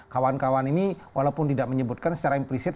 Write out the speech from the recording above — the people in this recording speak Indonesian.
kawan kawan ini walaupun tidak menyebutkan secara implisit